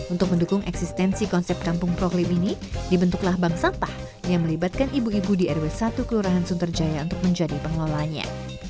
untuk mendukung eksistensi konsep kampung proklim ini dibentuklah bank sampah yang melibatkan ibu ibu di rw satu kelurahan sunterjaya untuk menjadi pengelolanya